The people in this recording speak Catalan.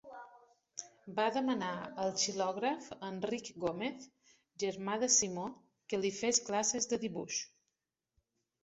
Va demanar al xilògraf Enric Gómez, germà de Simó que li fes classes de dibuix.